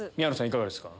いかがですか？